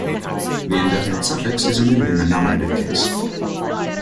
The indefinite suffix is omitted in the nominative case.